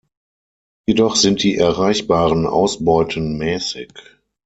Jedoch sind die erreichbaren Ausbeuten mäßig.